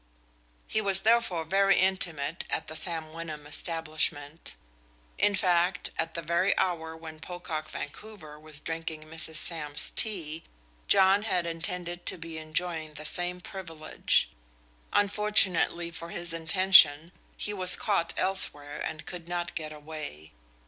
He was therefore very intimate at the Sam Wyndham establishment; in fact, at the very hour when Pocock Vancouver was drinking Mrs. Sam's tea, John had intended to be enjoying the same privilege. Unfortunately for his intention he was caught elsewhere and could not get away.